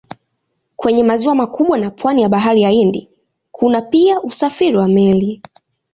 Kwenye maziwa makubwa na pwani ya Bahari Hindi kuna pia usafiri wa meli.